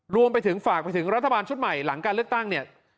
รวมไปถึงฝากไปถึงรัฐบาลชุดใหม่หลังการเลือกตั้งเนี่ย